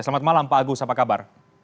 selamat malam pak agus apa kabar